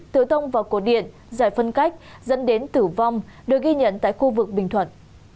tự tông vào cột điện giải phân cách dẫn đến tử vong được ghi nhận tại khu vực bình thuận